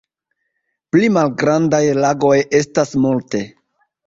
Pli malgrandaj lagoj estas multe.